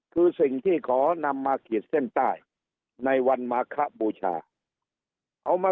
คือสิ่งที่ขอนำมาขีดเส้นใต้ในวันมาคบูชาเอามา